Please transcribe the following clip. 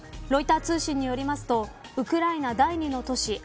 ロイター通信によりますとウクライナ第２の都市